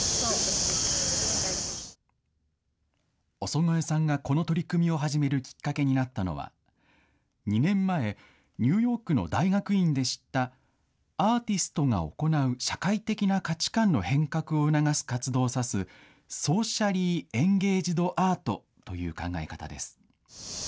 尾曽越さんがこの取り組みを始めるきっかけになったのは、２年前、ニューヨークの大学院で知った、アーティストが行う社会的な価値観の変革を促す活動を指す、ソーシャリー・エンゲージド・アートという考え方です。